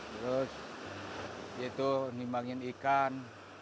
terus itu nimbangin ikan